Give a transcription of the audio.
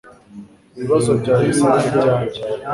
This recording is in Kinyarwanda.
Ibibazo byawe bisa nibyanjye